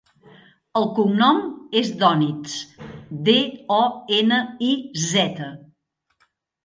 El cognom és Doniz: de, o, ena, i, zeta.